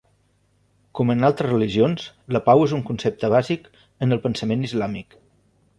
Com en altres religions, la pau és un concepte bàsic en el pensament islàmic.